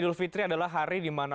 dan berterusan dengan umat islam